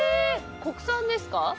国産ですか？